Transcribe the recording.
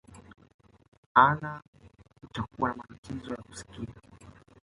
anna utakuwa na matatizo ya kusikia